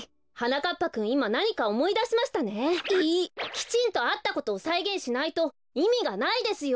きちんとあったことをさいげんしないといみがないですよ！